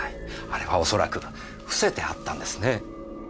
あれは恐らく伏せてあったんですねぇ。